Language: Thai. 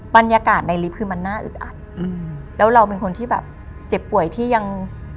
บรรยากาศในลิฟต์คือมันน่าอึดอัดอืมแล้วเราเป็นคนที่แบบเจ็บป่วยที่ยัง